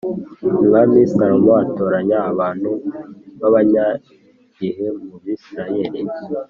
Umwami Salomo atoranya abantu b’abanyagihe mu Bisirayeli